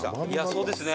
そうですね。